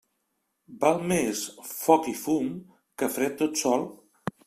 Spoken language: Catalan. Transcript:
Val més foc i fum que fred tot sol.